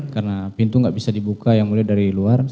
karena pintu gak bisa dibuka ya mulia dari luar